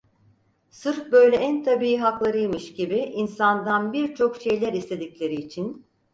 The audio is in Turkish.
Sırf böyle en tabii haklarıymış gibi insandan birçok şeyler istedikleri için…